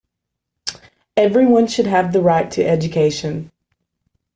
Everyone should have the right to education.